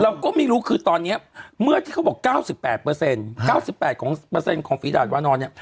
เราก็ไม่รู้คือตอนนี้เมื่อที่เขาบอก๙๘๙๘ของฟีดับรึวันนอนเนี่ย